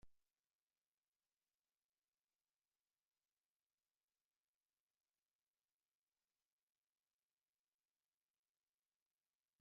Intenta cambiar su manuscrito, pero sus editores dicen que es demasiado tarde.